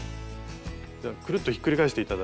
じゃあくるっとひっくり返して頂いて。